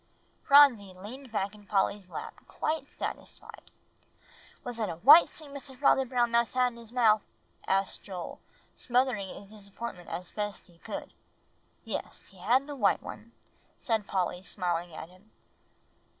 Phronsie leaned back in Polly's lap quite satisfied. "Was it a white stick Mr. Father Brown Mouse had in his mouth?" asked Joel, smothering his disappointment as best he could. "Yes, he had the white one," said Polly, smiling at him.